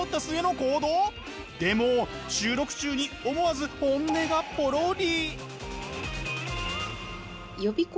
でも収録中に思わず本音がポロリ。